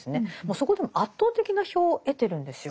そこでも圧倒的な票を得てるんですよ。